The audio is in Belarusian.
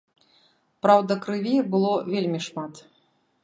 Праўда, крыві было вельмі шмат.